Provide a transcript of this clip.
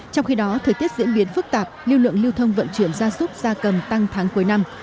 trong khi đó thời tiết diễn biến phức tạp lưu lượng lưu thông vận chuyển da súp da cầm tăng tháng cuối năm